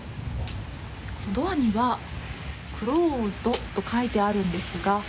ドアにはクローズドと書いてあるんですが。